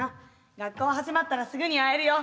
学校始まったらすぐに会えるよ。